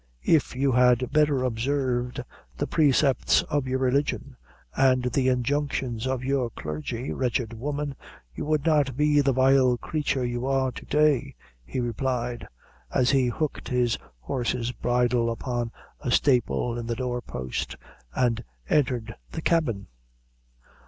"If you had better observed the precepts of your religion, and the injunctions of your clergy, wretched woman, you would not be the vile creature you are to day," he replied, as he hooked his horse's bridle upon a staple in the door post, and entered the cabin.